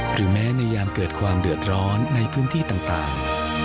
หรือแม้ในยามเกิดความเดือดร้อนในพื้นที่ต่าง